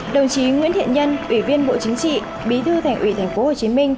đồng chí nguyễn thiện nhân ủy viên bộ chính trị bí thư thành ủy tp hcm